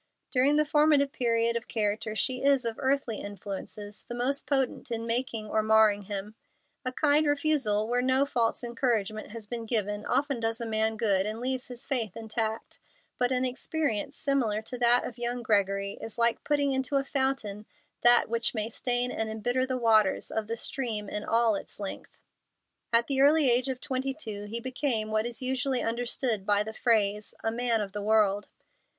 During the formative period of character she is, of earthly influences, the most potent in making or marring him. A kind refusal, where no false encouragement has been given, often does a man good, and leaves his faith intact; but an experience similar to that of young Gregory is like putting into a fountain that which may stain and embitter the waters of the stream in all its length. At the early age of twenty two he became what is usually understood by the phrase "a man of the world."